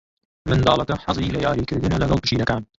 منداڵەکە حەزی لە یاریکردنە لەگەڵ پشیلەکان.